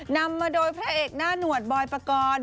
นำมาโดยพระเอกหน้าหนวดบอยปกรณ์